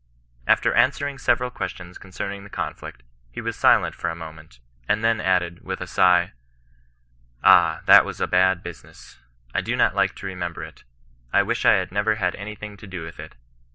After answering several questions concerning the con flict, he was silent for a moment, and then added, with a sigh :—^ Ah, that was a bad business. I do not Uke to remember it. I wish I had never had anything to do with it.